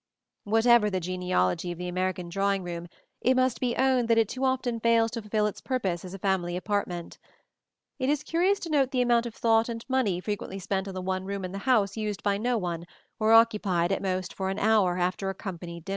Whatever the genealogy of the American drawing room, it must be owned that it too often fails to fulfil its purpose as a family apartment. It is curious to note the amount of thought and money frequently spent on the one room in the house used by no one, or occupied at most for an hour after a "company" dinner.